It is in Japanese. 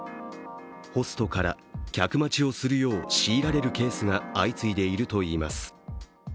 ホストから客待ちをするよう強いられるケースが相次いでいるといいます。